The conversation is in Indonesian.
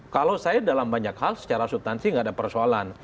kalau saya dalam banyak hal secara subtansi tidak ada persoalan